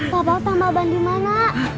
papa tambal ban dimana